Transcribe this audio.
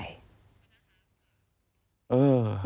เออ